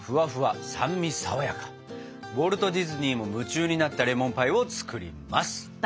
ウォルト・ディズニーも夢中になったレモンパイを作ります。